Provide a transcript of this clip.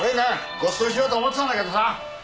ごちそうしようと思ってたんだけどさ。